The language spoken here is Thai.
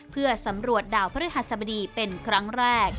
เพื่อสำรวจดาวพระฤหัสบดีเป็นครั้งแรก